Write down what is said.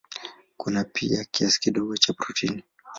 Kuna pia kiasi kidogo cha protini.